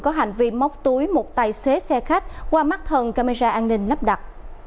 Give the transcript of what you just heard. có hành vi móc túi một tài xế xe khách qua mắt thần camera an ninh nắp đặt